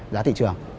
giá thị trường